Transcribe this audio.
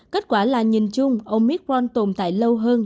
kết quả là nhìn chung omicron tồn tại lâu hơn